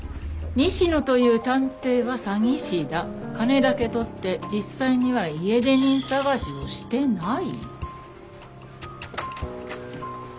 「西野という探偵は詐欺師だ」「金だけ取って実際には家出人探しをしてない」？